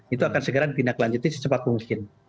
itu akan segera ditindaklanjuti secepat mungkin